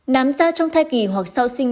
nám da trong thai kỳ hoặc sau sinh